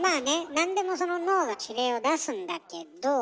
なんでも脳が指令を出すんだけど。